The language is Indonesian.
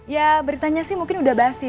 ya beritanya sih mungkin udah basi